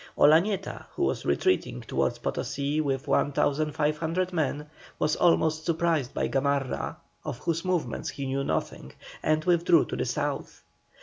Olañeta, who was retreating towards Potosí with 1,500 men, was almost surprised by Gamarra, of whose movements he knew nothing, and withdrew to the South.